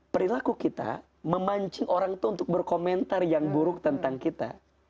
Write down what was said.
perilaku kita memancing orang itu untuk berkomentar yang buruk tentang kita